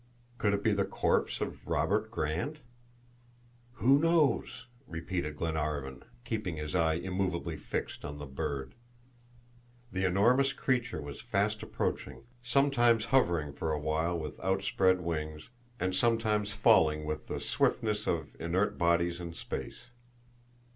Could it be the corpse of Robert Grant? "Who knows?" repeated Glenarvan, keeping his eye immovably fixed on the bird. The enormous creature was fast approaching, sometimes hovering for awhile with outspread wings, and sometimes falling with the swiftness of inert bodies in space.